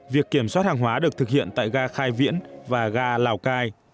việc kiểm soát hàng hóa được thực hiện tại ga khai viễn và ga lào cai